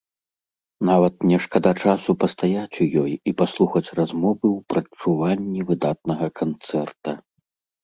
Нават не шкада часу пастаяць у ёй і паслухаць размовы ў прадчуванні выдатнага канцэрта.